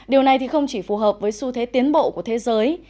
điều này không chỉ phù hợp với xu thế tiến bộ của thế giới